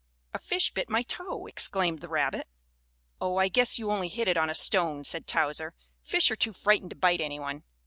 "A fish bit my toe," exclaimed the rabbit. "Oh, I guess you only hit it on a stone," said Towser. "Fish are too frightened to bite any one.